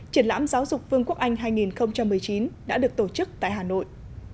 triển lãm giáo dục vương quốc anh hai nghìn một mươi chín đã được tổ chức tại hà nội